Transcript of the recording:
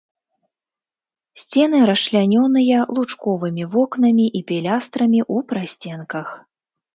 Сцены расчлянёныя лучковымі вокнамі і пілястрамі ў прасценках.